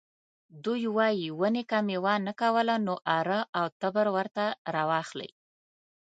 دوی وايي ونې که میوه نه کوله نو اره او تبر ورته راواخلئ.